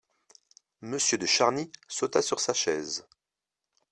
Monsieur de Charny sauta sur sa chaise.